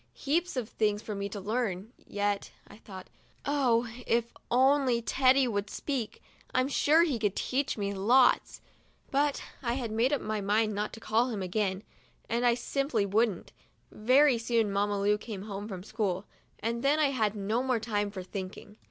'Heaps of things for me to learn yet," I thought. " Oh, if only Teddy would speak, I'm sure he could teach me lots !' But I had made up my mind not to call him again, and I simply wouldn't. Very soon Mamma Lu came home from school, and then I had no more time for thinking.